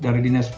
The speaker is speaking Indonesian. dari dinas pkp